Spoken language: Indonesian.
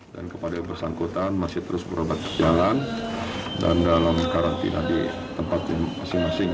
dan kepada bersangkutan masih terus berobat perjalanan dan dalam karantina di tempat yang masing masing ya